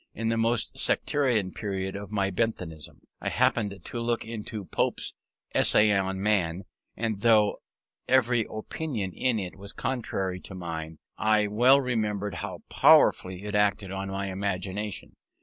In the most sectarian period of my Benthamism, I happened to look into Pope's Essay on Man, and, though every opinion in it was contrary to mine, I well remember how powerfully it acted on my imagination.